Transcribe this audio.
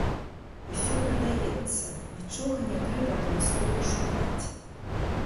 Усё прадаецца, нічога не трэба адмыслова шукаць.